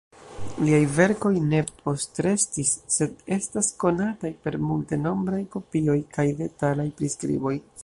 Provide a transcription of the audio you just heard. Liaj verkoj ne postrestis, sed estas konataj per multenombraj kopioj kaj detalaj priskriboj.